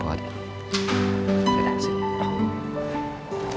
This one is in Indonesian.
udah dah sih